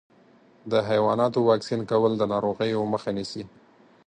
د حیواناتو واکسین کول د ناروغیو مخه نیسي.